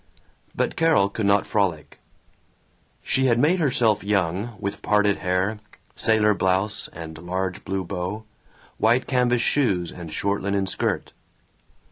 But Carol could not frolic. She had made herself young, with parted hair, sailor blouse and large blue bow, white canvas shoes and short linen skirt.